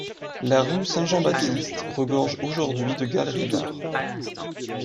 La rue Saint-Jean-Baptiste regorge aujourd'hui de galeries d'art.